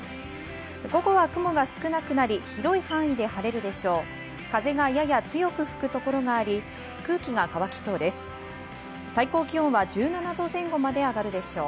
午後は雲が少なくなり広い範囲で晴れるでしょう。